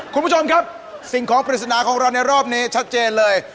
คุณผู้ชมครับสิ่งของปริศนาของเราในรอบนี้ชัดเจนเลย